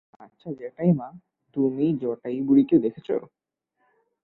আচ্ছা জ্যাঠাইমা, তুমি জটাইবুড়িকে দেখেছ?